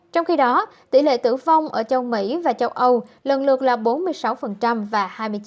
trong khi đó tỷ lệ tử vong ở châu mỹ và châu âu lần lượt là bốn mươi sáu và hai mươi chín